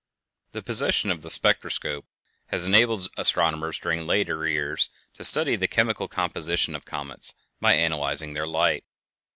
The possession of the spectroscope has enabled astronomers during later years to study the chemical composition of comets by analyzing their light.